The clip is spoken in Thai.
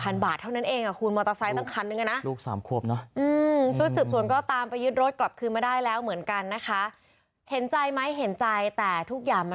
ลูกพ่อไหนนะครับ